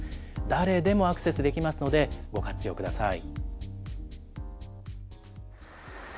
誰でもアクセスできますので、ご活用ください。